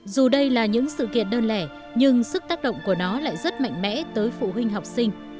dù đây là những sự kiện đơn lẻ nhưng sức tác động của nó lại rất mạnh mẽ tới phụ huynh học sinh